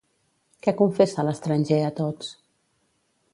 Què confessa l'estranger a tots?